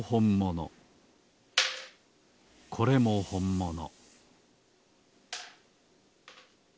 これもほんもの